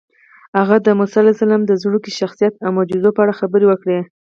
هغه د موسی علیه السلام د زوکړې، شخصیت او معجزو په اړه خبرې وکړې.